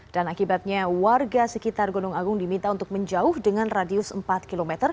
dan akibatnya warga sekitar gunung agung diminta untuk menjauh dengan radius empat km